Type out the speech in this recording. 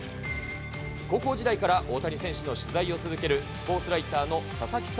高校時代から大谷選手の取材を続けるスポーツライターの佐々木さ